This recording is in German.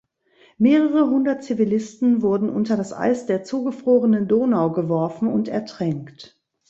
Mehrere hundert Zivilisten wurden unter das Eis der zugefrorenen Donau geworfen und ertränkt.